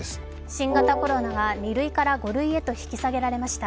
新型コロナが２類から５類へと引き下げられました。